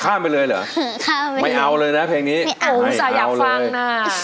ข้ามไปเลยเหรอไม่เอาเลยนะเพลงนี้ไม่เอาเลยโอ้สายอยากฟังนะ